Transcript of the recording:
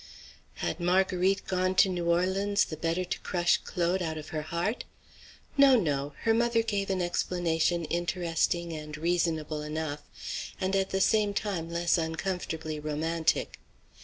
Had Marguerite gone to New Orleans the better to crush Claude out of her heart? No, no! Her mother gave an explanation interesting and reasonable enough, and at the same time less uncomfortably romantic.